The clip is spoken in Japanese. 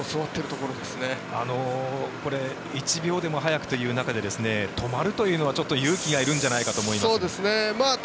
これ１秒でも速くという中で止まるというのはちょっと勇気がいるんじゃないかと思いますが。